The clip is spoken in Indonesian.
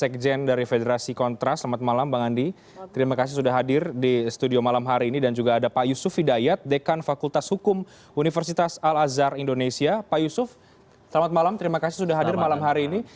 terima kasih sudah hadir malam hari ini